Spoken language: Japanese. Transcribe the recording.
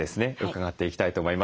伺っていきたいと思います。